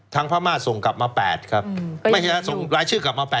ทางพระม่าส่งกลับมา๘ครับร้ายชื่อกลับมา๘